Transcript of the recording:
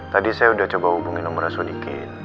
tadi saya udah coba hubungin nomornya sodikin